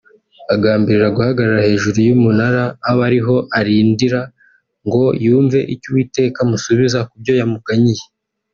Agambirira guhagarara hejuru y’umunara aba ariho arindira ngo yumve icyo Uwiteka amusubiza kubyo yamuganyiye